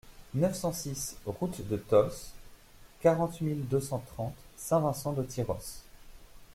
neuf cent six route de Tosse, quarante mille deux cent trente Saint-Vincent-de-Tyrosse